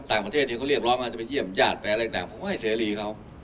ต่างประเทศที่เขาเรียกร้องว่าจะไปเยี่ยมญาติแฟนอะไรต่างผมก็ให้เสรีเขา